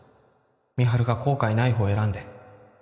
美晴が後悔ないほうを選んで